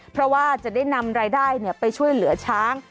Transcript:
เพราะว่าจะได้นำรายได้ไปช่วยเหลือช้าง